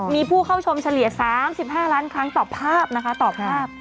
มีผู้เข้าชมเฉลี่ย๓๕ล้านครั้งต่อภาพนะคะต่อภาพ